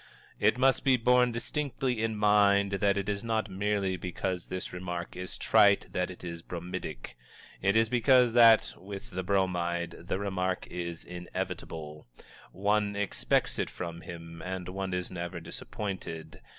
_"It must be borne distinctly in mind that it is not merely because this remark is trite that it is bromidic; it is because that, with the Bromide, the remark is inevitable. One expects it from him, and one is never disappointed.